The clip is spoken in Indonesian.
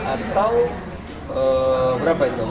atau berapa itu